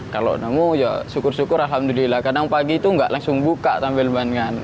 kalau nemu ya syukur syukur alhamdulillah kadang pagi itu nggak langsung buka tampil ban kan